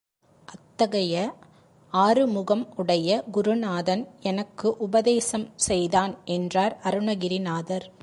அத்தகைய ஆறு முகம் உடைய குருநாதன் எனக்கு உபதேசம் செய்தான் என்றார் அருணகிரிநாதர்.